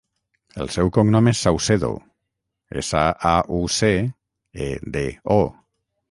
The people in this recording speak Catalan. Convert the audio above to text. El seu cognom és Saucedo: essa, a, u, ce, e, de, o.